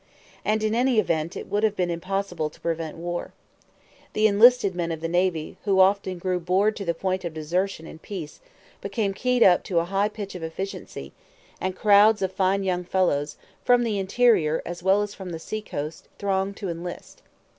And, in any event, it would have been impossible to prevent war. The enlisted men of the navy, who often grew bored to the point of desertion in peace, became keyed up to a high pitch of efficiency, and crowds of fine young fellows, from the interior as well as from the seacoast, thronged to enlist.